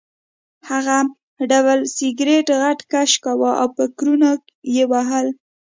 هغه ډبل سګرټ غټ کش کاوه او فکرونه یې وهل